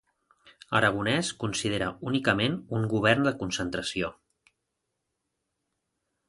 Aragonès considera únicament un govern de concentració.